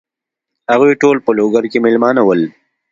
هغوی ټول په لوګر کې مېلمانه ول.